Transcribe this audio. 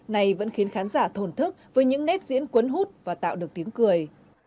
này vẫn khiến khán giả thổn thức với những nét diễn quấn hút và tạo được tiếng cười